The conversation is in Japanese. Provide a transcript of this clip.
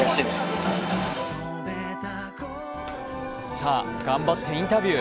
さぁ、頑張ってインタビュー。